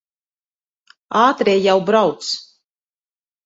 Ātrie jau brauc.